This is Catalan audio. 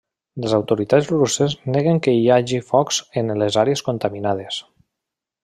Les autoritats russes neguen que hi hagi focs en les àrees contaminades.